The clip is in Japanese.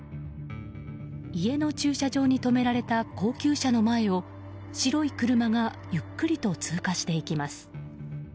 家の駐車場に止められた高級車の前を白い車がゆっくりと通過していきます。